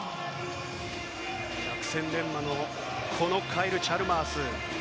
百戦錬磨のカイル・チャルマース。